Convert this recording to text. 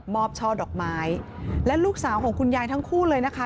ช่อดอกไม้และลูกสาวของคุณยายทั้งคู่เลยนะคะ